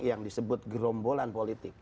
yang disebut gerombolan politik